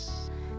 ketika dia panas